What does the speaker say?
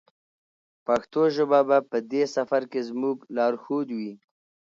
پښتو ژبه به په دې سفر کې زموږ لارښود وي.